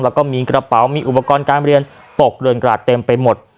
แล้วก็มีกระเป๋ามีอุปกรณ์การเรียนตกเรือนกราดเต็มไปหมด